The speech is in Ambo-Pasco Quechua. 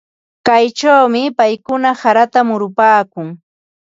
Kaychawmi paykuna harata murupaakun.